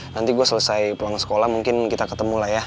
nanti gue selesai pulang sekolah mungkin kita ketemu lah ya